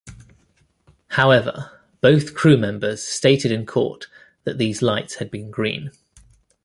However, both crew members stated in court that these lights had been green.